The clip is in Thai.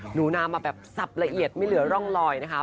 หนูนามาแบบสับละเอียดไม่เหลือร่องลอยนะคะ